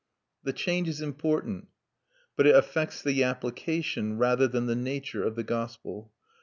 The change is important, but it affects the application rather than the nature of the gospel.